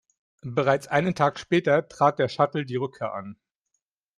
Bereits einen Tag später trat der Shuttle die Rückkehr an.